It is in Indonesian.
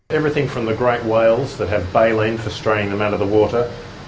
semuanya dari kerel besar yang memiliki balen untuk mengembangkan mereka ke luar air